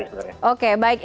ini yang perlu kita lakukan